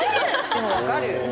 でもわかる。